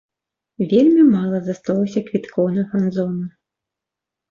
Вельмі мала засталося квіткоў на фан-зону.